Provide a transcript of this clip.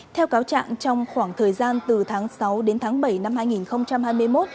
theo cáo trạng trong khoảng thời gian từ tháng sáu đến tháng bảy năm hai nghìn hai mươi một